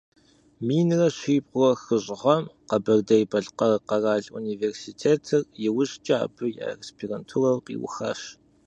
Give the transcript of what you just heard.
Минрэ щибгъурэ хыщӏ гъэм Къэбэрдей-Балъкъэр къэрал университетыр, иужькӀэ абы и аспирантурэр къиухащ.